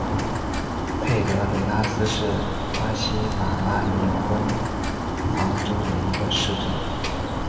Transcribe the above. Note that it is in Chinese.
佩德雷拉斯是巴西马拉尼昂州的一个市镇。